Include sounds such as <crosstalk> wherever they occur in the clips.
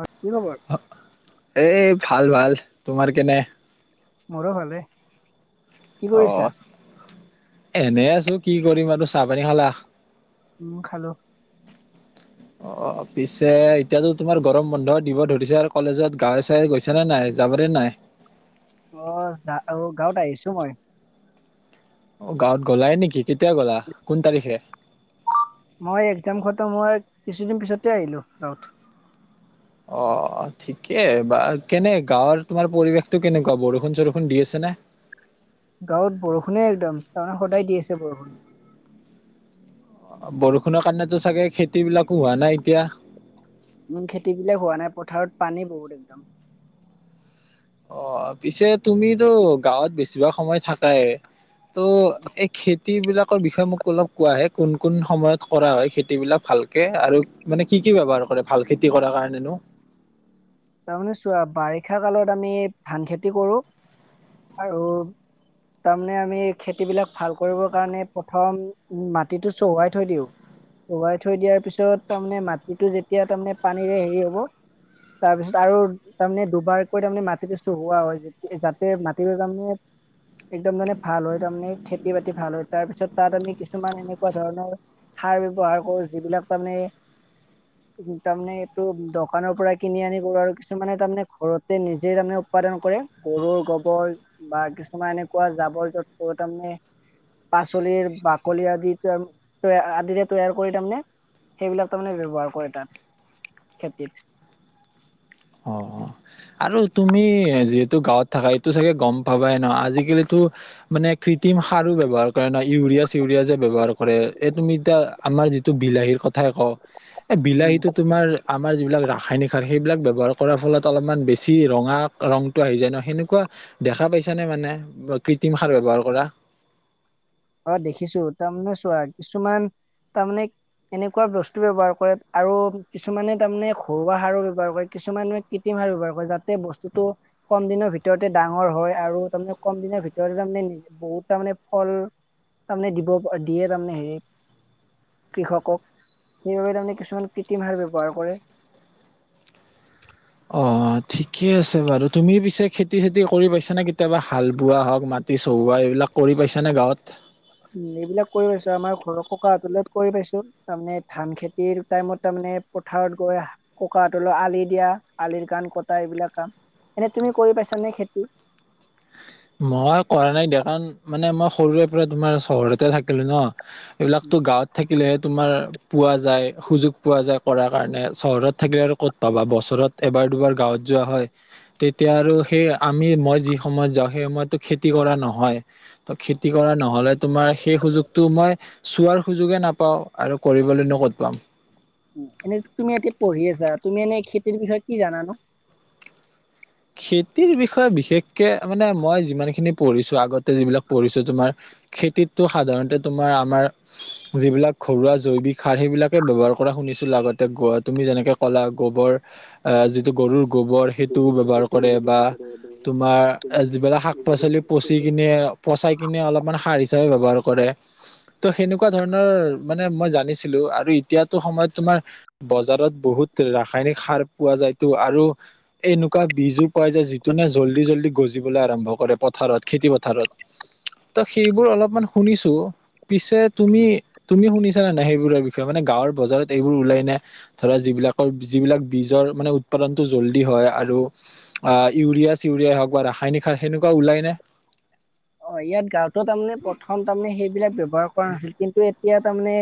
আ' কি খবৰ? এই ভাল ভাল তোমাৰ কেনে মোৰো ভালে, কি অ কৰিছা? এনে আছো, কি কৰিম আৰু চাহ পানী খালা? উম খালো। অঁ পিছে এতিয়াতো তোমাৰ গৰম বন্ধ দিব ধৰিছে আৰু কলেজত গা চাই গৈছে নে নাই। যাবৰে নাই। অঁ অঁ গাঁৱত আহিছো মই অঁ গাঁৱত গ'লায়ে নেকি কেতিয়া গ'লা কোন তাৰিখে মই এক্জামখনতো মই কিছুদিন পিছতে আহিলোঁ বাৰু অঁ ঠিকে বা কেনে গাঁৱৰ তোমাৰ পৰিৱেশতটো কেনেকুৱা বৰষুণ চৰষুণ দি আছে ন। হয়। গাঁৱত বৰষুণে একদম তাৰমানে সদায় দি আছে বৰষুণ বৰষুণৰ কাৰণেতো চাগে খেতিবিলাকো হোৱা নাই এতিয়া উম খেতিবিলাক হোৱা নাই পথাৰত পানী বহুত একদম অঁ পিছে তুমিতো গাঁৱত বেছিভাগ সময় থাকাই ত' এই খে খেতি বিলাকৰ বিষয়ে মোক অলপ কোৱাহে কোন-কোন সময়ত কৰা হয় খেতিবিলাক ভালকে আৰু মানে কি কি ব্যৱহাৰ কৰে ভাল খেতি কৰাৰ কাৰণেনো তাৰমানে চোৱা বাৰিষা কালত আমি ধান খেতি কৰো আৰু তাৰমানে আমি খেতি বিলাক ভাল কৰিবৰ কাৰণে প্ৰথম মাটিটো চহুৱাই থৈ দিওঁ উৱাই থৈ দিয়াৰ পিছত তাৰমানে মাটিটো যেতিয়া তাৰমানে পানীৰে হেৰি হ'ব। তাৰপিছত আৰু তাৰমানে দুবাৰকৈ তাৰমানে মাটিটো চহোৱা হয় যাতে মাটিটো তাৰমানে একদম মানে ভাল হয় তাৰমানে খেতি বাতি ভাল হয় তাৰ পিছত তাত আমি কিছুমান এনেকুৱা ধৰণৰ সাৰ ব্যৱহাৰ কৰো যিবিলাক তাৰমানে উম তাৰমানে এইটো দকানৰ পৰা কিনি আনি কৰো আৰু কিছুমানে তাৰমানে ঘৰতে নিজে তাৰমানে উৎপাদন কৰে গৰুৰ গোবৰ বা কিছুমান এনেকুৱা জাবৰ জত তাৰমানে পাচলিৰ বাকলি আদিতেম তয়ে আদিৰে তৈয়াৰ কৰি তাৰমানে সেইবিলাক তাৰমানে ব্যৱহাৰ কৰে তাত খেতিত। অ অ আৰু তুমি যিহেতু গাঁৱত থাকা এইটো চাগে গম পাবাই ন'আজিকালিতো মানে কৃ কৃত্ৰিম সাৰো ব্যৱহাৰ কৰে ন' ইউৰিয়া চিউৰিয়া যে ব্যৱহাৰ কৰে এই তুমি এতিয়া আমাৰ যিটো বিলাহীৰ কথা য়ে ক' এ উম বিলাহীতো তুমাৰ আমাৰ যিবিলাক ৰাসায়নিক সাৰ সেইবিলাক ব্যৱহাৰ কৰাৰ ফলত অলপমান বেছি ৰঙা ৰংটো আহি যায় ন'সেনেকুৱা দেখা পাইছা নে মানে ব কৃত্ৰ ত্ৰিম সাৰ ব্যয়ৱহাৰ কৰা? অ, দেখিছো তাৰমানে চোৱা কিছুমান তাৰমানে এনেকুৱা বস্তু ব্যৱহাৰ কৰে আৰু কিছুমানে তাৰমানে ঘৰুৱা সাৰো ব্যৱহাৰ কৰে কিছুমানুহে কৃত্ৰিম সাৰ ব্যৱহাৰ কৰে যাতে বস্তুটো কম দিনৰ ভিতৰতে ডাঙৰ হয় আৰু তাৰমানে কম দি ভিতৰত তাৰমানে বহুত তাৰমানে ফল তাৰমানে দিব দিয়ে তাৰমানে হে কৃষকক সেইবাবে তাৰমানে কিছুমান কৃত্ৰিম সাৰ ব্যৱহাৰ কৰে। <unintelligible> অ, ঠিকে আছে বাৰু তুমি পিছে খেতি-চেতি কৰি পাইছাানে কেতিয়াবা হাল বোৱা হওক মাটি চহো? এইবিলাক কৰি পাইছাঁ নে গাঁৱত? <unintelligible> উম, এইবিলাক কৰি পাইছো আমাৰ ঘৰৰ ককা হতৰ লগত কৰি পাইছো তাৰমানে ধান খেতিৰ টাইমত তাৰমানে মে পথাৰত গৈ ককাহতৰ আলি দিয়া আলিৰ কাণ কটা এইবিলাক কাম। এনে তুমি কৰি পাইছানে খেতি মই কৰা নাই দিয়া কাৰণ মানে মই সৰুৰে পৰা তোমাৰ চহৰতে থাকিলো ন এইবিলাকতো গাঁৱত থাকি থাকিলহে তোমাৰ পোৱা যায় সুযোগ পোৱা যায় কৰাৰ কাৰণে চহৰত থাকিলে আৰু ক'ত পাবা বছৰত এবাৰ দুবাৰ গাঁৱত যোৱা হয় তেতিয়া আৰু সেই আমি মই যি সময়ত যাওঁ সেই সময়তো খেতি কৰা নহয় ত খেতি কৰা নহয় নহ'লে তোমাৰ সেই সুযোগটো মই চোৱাৰ সুযোগে নাপাওঁ আৰু কৰিবলৈনো ক'ত পাম এনেই তুমি এতিয়া পঢ়ি আছা। তুমি এনেই খেতিৰ বিষয়ে কি জানানো? খেতিৰ বিষয়ে বিশেষকে মানে মই যিমান খিনি পঢ়িছো আগতে যিবিলাক পঢ়িছো তোমাৰ খেতিতটো সাধাৰণতে তোমাৰ আমাৰ যিবিলাক ঘৰুৱা জৈৱিক সাৰ সেইবিলাকে ব্যৱহাৰ কৰা শুনিছিলো আগতে। তুমি যেনেকে ক'লা গোবৰ যিটো গৰুৰ গোবৰ সেইটোও ব্যৱহাৰ কৰে বা তোমাৰ যিবিলাক শাক পাচলি পচি কিনে পচাই কিনে অলপমান সাৰ হিচাপে ব্যৱহাৰ কৰে ত' সেনেকুৱা ধৰণৰ মানে মই জানিছিলো। আৰু এতিয়াতো সময়ত তোমাৰ বজাৰত বহুত ৰাসায়নিক সাৰ পোৱা যায়তো, আৰু এনেকুৱা বীজও পোৱা যায় যিটোনে জল্দি জল্দি গজিবলৈ আৰম্ভ কৰে পথাৰত খেতি পথাৰত ত' সেইবোৰ অলপমান শুনিছো। পিছে তুমি তুমি শুনিছা নে নাই? সেইবোৰৰ বিষয়ে মানে গাঁৱৰ বজাৰত এইবোৰ ওলাই নে ধৰা যিবিলাকৰ যিবিলাক বীজৰ মানে উৎপাদনতটো জল্দি হয় আৰু অ ইউৰিয়া-চিউৰিয়াই হওক বা ৰাসায়নিক সাৰ, সেনেকুৱা ওলাই নে? অ ইয়াত গাৱতো তাৰমানে প্ৰথম তাৰমানে সেইবিলাক ব্যৱহাৰ কৰা নাছিল কিন্তু এতিয়া তাৰমানে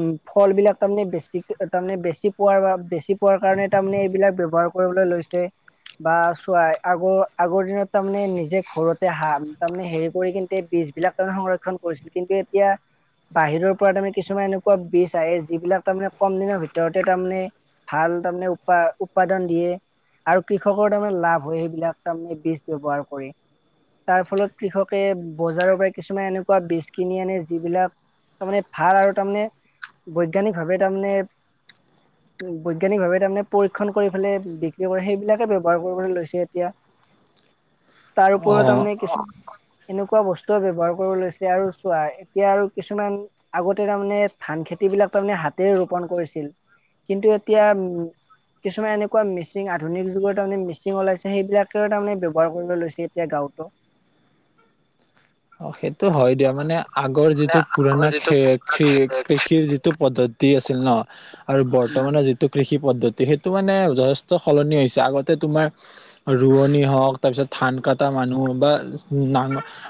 উম ফল বিলাক তাৰমানে বেছি তাৰমানে বেছি পোৱাৰ বা বেছি পোৱাৰ কাৰণে তাৰমানে এইবিলাক ব্যৱহাৰ কৰিবলৈ লৈছে বা চোৱাই। আগৰ -আগৰ দিনত তাৰমানে নিজে ঘৰতে হাল তাৰমানে হেৰি কৰি কিন্ত বীজ বিলাক তাৰমানে সংৰক্ষণ কৰিছিল। কিন্তু এতিয়া বাহিৰৰ পৰা তাৰমানে কিছুমান এনেকুৱা বীজ আহে, যিবিলাক তাৰমানে কম দিনৰ ভিতৰতে তাৰমানে ভাল তাৰমানে উৎপাদন দিয়ে আৰু কৃষকৰ তাৰমানে লাভ হয় সেইবিলাক তাৰমানে বীজ ব্যৱহাৰ কৰি তাৰ ফলত কৃষকে বজাৰৰ পৰা কিছুমান এনেকুৱা বীজ কিনি আনে, যিবিলাক তাৰমানে ভাল আৰু তাৰমানে বৈজ্ঞানিক ভাৱে তাৰমানে বৈজ্ঞানিকভাৱে তাৰমানে পৰীক্ষণ কৰি পেলে বিক্ৰী কৰে। সেইবিলাকে ব্যৱহাৰ কৰিবলৈ লৈছে এতিয়া। <unintelligible> তাৰ ওপৰত অ আমি কিছু <unintelligible> এনেকুৱা বস্তুৱে ব্যৱহাৰ কৰিব লৈছে। আৰু চোৱা এতিয়া আৰু কিছুমান আগতে তাৰমানে ধান খেতি এইবিলাক তাৰমানে হাতেৰে ৰোপন কৰিছিল। কিন্তু এতিয়া। উম কিছুমান এনেকুৱা মিচিং আধুনিক যুগৰ তাৰমানে মিচিংওলাইছে সেইবিলাকে তাৰে ব্যৱহাৰ কৰিব লৈছে এতিয়া গাওঁ টো অ সেইটো হয় দিয়া। মানে আগৰ মানে যিটো পুৰণা আগৰ যিটো কৃষিৰ যিটো পদ্ধতি আছিল ন। আৰু উম বৰ্তমানৰ যিটো কৃষি পদ্ধতি সেইটো মানে যথেষ্ট সলনি হৈছে আগতে তোমাৰ ৰোৱনী হওক তাৰ পিছত ধান কটা মানুহ বা না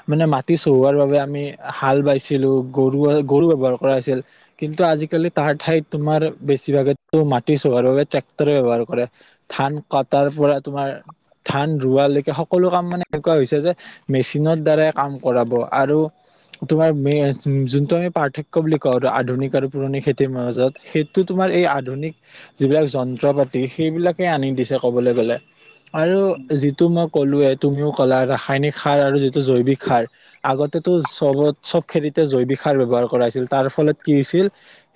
মানে মাটি চহোৱাৰ বাবে আমি হাল বাইছিলো। গৰু গৰু ব্যৱহাৰ কৰা হৈছিল। কিন্তু আজিকালি ঠাইত তোমাৰ বেছিভাগে মাটি চোৱাৰ বাবে টেক্টৰ ব্যৱহাৰ কৰে ধান কাতাৰ পৰা তোমাৰ ধান ৰোৱালৈকে সকলো কাম মানে এনেকুৱা হৈছে যে, মেচিনৰ দ্বাৰাই কাম কৰাব আৰু তোমাৰ যোনটো আমি পাৰ্থক্য বুলি কওঁ, আৰু আধুনিক আৰু পুৰণি খেতিৰ মাজত সেইটো তোমাৰ আমাৰ এই আধুনিক যিবিলাক যন্ত্ৰ-পাতি, সেইবিলাকে আনি দিছে কবলৈ গ'লে আৰু যিটো মই ক'লোৱে তুমিও ক'লা ৰাসায়নিক সাৰ আৰু যিটো জৈৱিক সাৰ আগতে তু চবত চব খেতিতে জৈৱিক সাৰ ব্যৱহাৰ কৰা হৈছিল তাৰ ফলত কি হৈছিল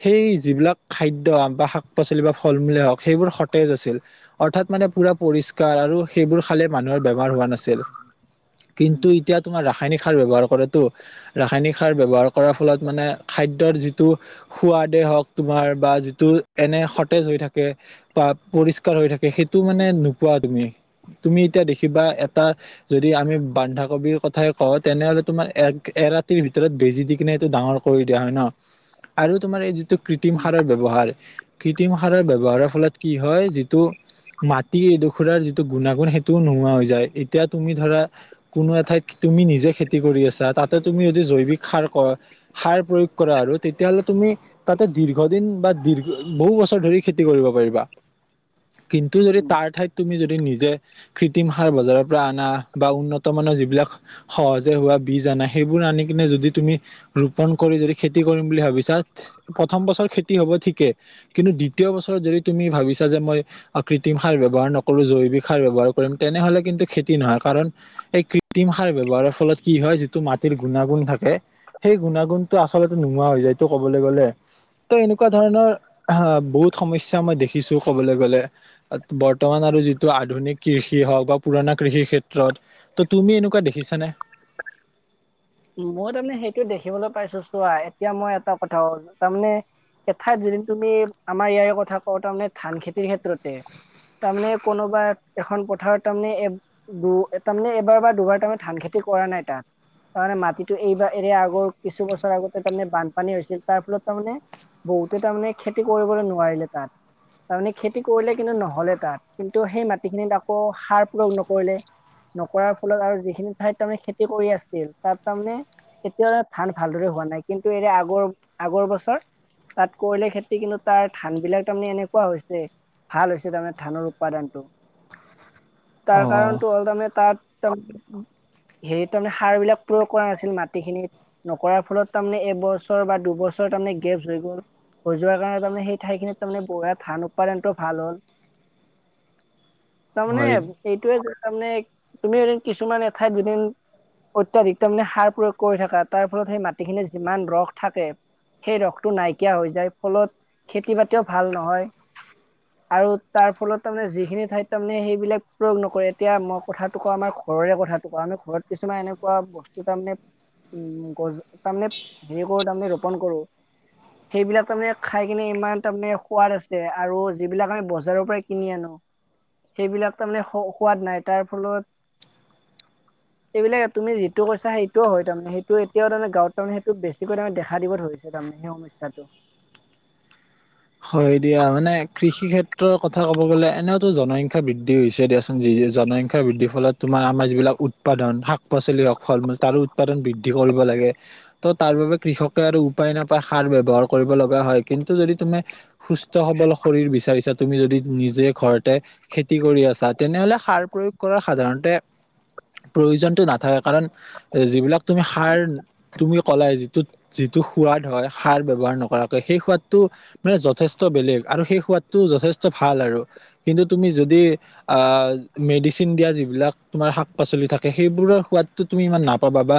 সেই যিবিলাক খাদ্য শাক-পাচলি, ফল -মূল সেইবোৰ সতেজ আছিল অৰ্থাৎ মানে পৰিষ্কাৰ আৰু সেইবোৰ খালে মানুহৰ বেমাৰ হোৱা নাছিল। উম কিন্তু এতিয়া তোমাৰ ৰাসায়নিক ৰাসায়নিক সাৰ ব্যৱহাৰ কৰেটো, ৰাসায়নিক সাৰ ব্যৱহাৰ কৰাৰ ফলত মানে খাদ্যৰ যিটো সোৱাদ দে হওক তোমাৰ, বা যিটো এনে সতেজ হৈ থাকে বা পৰিষ্কাৰ হৈ থাকে। সেইটো মানে নোপোৱা তুমি তুমি এতিয়া দেখিবা, এটা যদি আমি বন্ধাকবিৰ কথাই কওঁ, তেনেহলে তোমাৰ এ এৰাতিৰ ভিতৰত বেজি দি কিনে এইটো ডাঙৰ কৰি দিয়া হয় ন। আৰু তোমাৰ এই যিটো কৃত্ৰিম উম সাৰৰ ব্যৱহাৰ কৃত্ৰিম সাৰৰ ব্যৱহাৰৰ ফলত কি হয়, যিটো মাটি এডোখৰাৰ যিটো গুণাগুণ সেইটোও নোহোৱা হৈ যায়। এতিয়া তুমি ধৰা কোনো এঠাইত তুমি নিজে খেতি কৰি আছা, তাতে তুমি যদি জৈৱিক সাৰ কয়, সাৰ প্ৰয়োগ কৰা আৰু, তেতিয়া হ'লে তুমি তুমি তাতে দীৰ্ঘদিন বা দীৰ বহু বছৰ ধৰি খেতি কৰিব পাৰিবা। কিন্তু যদি তাৰ ঠাইত তুমি যদি নিজে কৃত্ৰিম সাৰ বজাৰৰ পৰা আনা, বা উন্নত মান যিবিলাক সহজে হোৱা বীজ আনা, সেইবোৰ আনি কিনে যদি তুমি ৰোপন কৰি যদি খেতি কৰিম বুলি ভাবিছা প্ৰথম বছৰ খেতি হ'ব ঠিকে, কিন্তু দ্বিতীয় বছৰত যদি তুমি ভাবিছা যে, মই কৃ কৃত্ৰিম সাৰ ব্যয়ৱহাৰ নকৰো, জৈৱিক সাৰ ব্যৱহাৰ কৰিম, তেনেহলে কিন্তু খেতি নহয়। কাৰণ এই কৃত্ৰিম সাৰ ব্যৱহাৰৰ ফলত কি হয়, যিটো মাটিৰ গুণাগুণ থাকে সেই গুণাগুণতটো আচলতে নোহোৱা হৈ যায়, ত কবলৈ গলে ত' এনেকুৱা ধৰণৰ, আহ, বহুত সমস্যা মই দেখিছো কবলৈ গলে। বৰ্তমানত যিটো আধুনিক কৃষি হওক বা পুৰণা কৃষি ক্ষেত্ৰত, ত' তুমি এনেকুৱা দেখা দেখিছানে? মই তাৰমানে সেইটো দেখিবলৈ পাইছো চোৱা, এতিয়া মই এটা কথা হ'ল, তাৰমানে এঠাইত যদিন তুমি আমাৰ ইয়াৰে কথা কওঁ, তাৰমানে ধান খেতিহে ত্ৰতে। তাৰমানে কোনোবা এখন পথাৰত তাৰমানে এ- দু তাৰমানে এবাৰ বা দুবাৰ তাৰমানে ধান খেতি কৰা নাই তাত। তাৰমানে মাটিতো এইবাৰ এৰে আগৰ কিছু বছৰ আগতে তাৰমানে বানপানী হৈছিল, তাৰ ফলত তাৰমানে বহুত তাৰ মানে খেতি কৰিবলৈ নোৱাৰিলে তাত। তাৰমানে খেতি কৰিলে কিন্তু নহ'লে তাত, কিন্তু সেই মাটিখিনিত আকৌ সাৰ পুৰণ কৰিলে। নকৰাৰ ফলত আৰু যিখিনি ঠাইত তাৰমানে খেতি কৰি আছিল তাৰ তাৰমানে কেতিয়াও ধান ভালদৰে হোৱা নাই, কিন্তু এ আগৰ আগৰ বছৰ তাত কৰিলে খেতি কিন্তু, তাৰ ধান বিলাক তাৰমানে এনেকুৱা হৈছে ভাল হৈছে তাৰমানে ধানৰ উৎপাদানতটো। <inaudible> তাৰ কাৰণটো হ'ল, তাৰমানে তাত <unintelligible> হেৰি তাৰমানে সাৰ বিলাক প্ৰয়োগ কৰা নাছিল মাটিখিনিত, নকৰাৰ ফলত তাৰমানে এবছৰ বা দুবছৰ তাৰমানে গেপচ হৈ গ'ল। হৈ যোৱাৰ কাৰণে তাৰমানে সেই ঠাইখিনিত তাৰমানে বঢ়া ধান উৎপাদনটো ভাল হ'ল। <inaudible> তাৰমানে হয় এইটোয়ে যে তাৰমানে, তুমি এদিন কিছুমান এঠাইত দুদিন অত্যাধিক। তাৰমানে সাৰ প্ৰয়োগ কৰি থাকা, তাৰ ফলত সেই মাটিখিনিৰ যিমান ৰস থাকে সেই ৰসটো নাইকিয় হৈ যায়, ফলত খেতি বাতিও ভাল নহয়। আৰু তাৰ ফলত তাৰমানে যিখিনি ঠাইত তাৰমানে সেইবিলাক প্ৰয়োগ নকৰে, এতিয়া মই কথাটো কওঁ আমাৰ ঘৰৰে কথাটো কৰাণে, ঘৰত কিছুমান এনেক খোৱা বস্তু তাৰমানে, উ-গ-তাৰমানে <unintelligible> তাৰমানে ৰোপন কৰো। সেইবিলাক তাৰমানে খাই কিনে ইমান তাৰমানে সোৱাদ আছে, আৰু যিবিলাক আমি বজাৰৰ পৰাই কিনি আনো। সেইবিলাক তাৰমানে সোৱাদ নাই, তাৰ ফলত এইবিলেক তুমি যিটো কৈছা সেইটোও হয় তাৰমানে। সেইটো এতিয়াও তাৰমানে গাঁৱত তাৰেমানে সেইটো বেছিকৈ তাৰেমানে দেখা দিব ধৰিছে তাৰমানে সেই সমসা পইচাটো। <inaudible> হয় দিয়া, মানে কৃষি ক্ষেত্ৰৰ কথা ক'ব গ'লে এনেওতো জনসংখ্যা বৃদ্ধি হৈছে। দিয়াচোন। যি যি জনসংখ্য বৃদ্ধিৰ ফলত তোমাৰ আমাৰ যিবিলাক উত উৎপাদন। শাক পাচলি হওঁক, ফল মূল তাৰো উৎপাদন বৃদ্ধি কৰিব লাগে। ত', তাৰ বাবে কৃষকে আৰু উৎপা উপাই নাপাই সাৰ ব্যৱহাৰ কৰিব লগা হয়, কিন্তু যদি তুমি সুস্থ সবল শৰীৰ বিচাৰিছা তুমি যদি নিজে ঘৰতে খেতি কৰি আছা, তেনেহ'লে সাৰ প্ৰয়োগ কৰা সাধাৰণতে প্ৰয়োজনটো নাথাকে। কাৰণ এই যিবিলাক তুমি সাৰ, তুমি কলাই যিটোত যিটো সোৱাদ হয়, সাৰ ব্যৱহাৰ নকৰাকৈ সেই সোৱাদটো। মানে যথেষ্ট বেলেগ আৰু সেই সোৱাদটো যথেষ্ট ভাল আৰু কিন্তু তুমি যদি আ মেডিচিন দিয়া যিবিলাক তোমাৰ শাক পাচলি থাকে সেইবোৰৰ সাদটো তুমি ইমান নাপাবা বা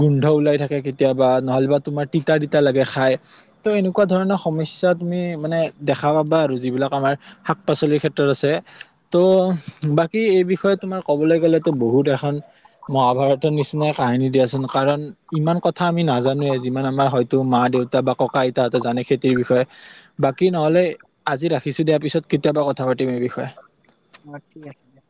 গোন্ধ ওলাই থাকে কেতিয়াবা নহ'বা তোমাৰ তিতা তিতা লাগে খাই ত' এনেকুৱা ধৰণৰ সমস্যাত তুমি মানে দেখা পাবা আৰু যিবিলাক আমাৰ শাক পাচলিৰ ক্ষেত্ৰত আছে ত বাকী এই বিষয়ে তোমাৰ ক'বলৈ গ'লেতো বহুত এখন মহাভাৰতৰ নিচিনাই কাহিনী দিয়াচোন কাৰণ ইমান কথা আমি নাজানোৱে যিমান আমাৰ হয়তো মা দেউতা বা ককা আইতা হতে জানে খেতিৰ বিষয়ে বাকী নহলে আজি ৰাখিছো দিয়াৰ পিছত কেতিয়াবা কথা পাতিম এই বিষয়ে অ ঠিকে ঠিকে